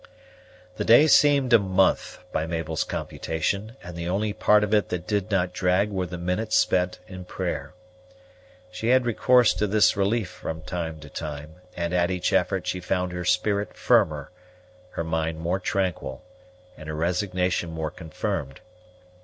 The day seemed a month by Mabel's computation, and the only part of it that did not drag were the minutes spent in prayer. She had recourse to this relief from time to time; and at each effort she found her spirit firmer, her mind more tranquil, and her resignation more confirmed.